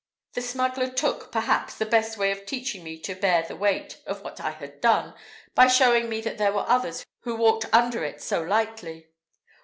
The smuggler took, perhaps, the best way of teaching me to bear the weight of what I had done, by showing me that there were others who walked under it so lightly.